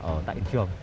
ở tại hiện trường